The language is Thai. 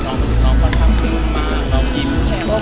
น้องก็นั่งน้องซื้อมา